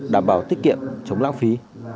đảm bảo tiết kiệm chống lãng phí